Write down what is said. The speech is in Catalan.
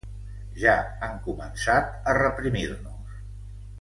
Ja han començat a reprimir-nos.